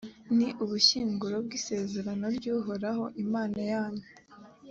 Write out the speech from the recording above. ni ubushyinguro bw’isezerano ry’uhoraho, imana yanyu,